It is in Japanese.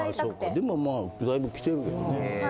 でもまあだいぶきてるけどね。